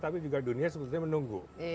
tapi juga dunia sebetulnya menunggu